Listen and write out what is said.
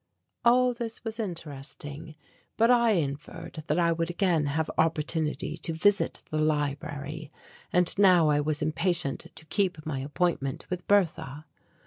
All this was interesting, but I inferred that I would again have opportunity to visit the library and now I was impatient to keep my appointment with Bertha.